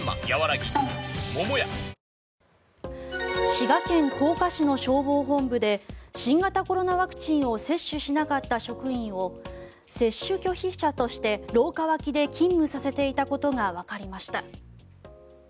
滋賀県甲賀市の消防本部で新型コロナワクチンを接種しなかった職員を接種拒否者として廊下脇で勤務させていたことがわかりました。